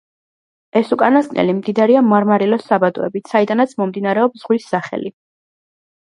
ეს უკანასკნელი მდიდარია მარმარილოს საბადოებით, საიდანაც მომდინარეობს ზღვის სახელი.